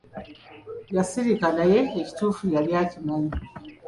Yasirika naye ekituufu yali akimanyi.